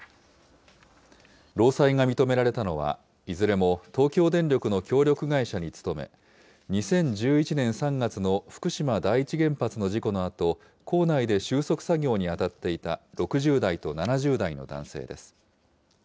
労災が認められたのは、いずれも東京電力の協力会社に勤め、２０１１年３月の福島第一原発の事故のあと、構内で収束作業に当たっていた６０代と７０代の男性です。